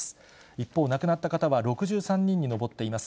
一方、亡くなった方は６３人に上っています。